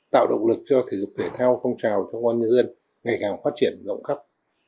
tạo động lực cho thể dục thể thao phong trào trong công an nhân dân ngày càng phát triển rộng khắp